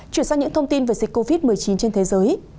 chuyển sang những thông tin về dịch covid một mươi chín trên thế giới